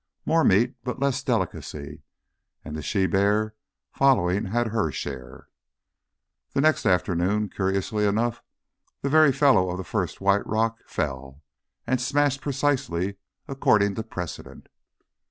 More meat but less delicacy, and the she bear, following, had her share. The next afternoon, curiously enough, the very fellow of the first white rock fell, and smashed precisely according to precedent.